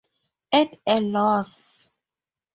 At a loss.